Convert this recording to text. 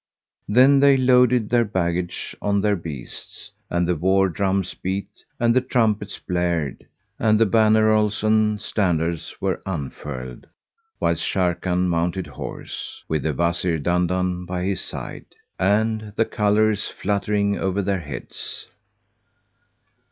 Then they loaded their baggage on their beasts and the war drums beat and the trumpets blared and the bannerols and standards were unfurled, whilst Sharrkan mounted horse, with the Wazir Dandan by his side, and the colours fluttering over their heads.